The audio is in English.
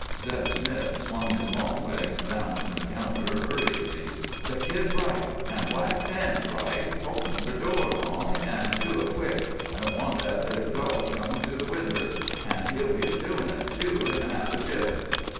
Zeb Smith swung his long legs down from the counter hurriedly. "The kid's right, an' Black Dan's right. Open the door, Long, an' do it quick. I don't want that there dawg comin' through the winder. An' he'll be doin' it, too, in half a jiff."